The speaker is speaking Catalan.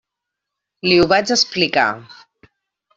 Li ho vaig explicar.